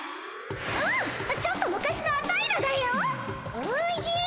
ああちょっと昔のアタイらだよ。